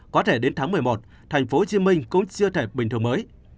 có thể đến tháng một mươi một thành phố hồ chí minh cũng chưa thể bình thường mới